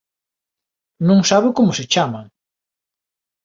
Non sabe como se chaman!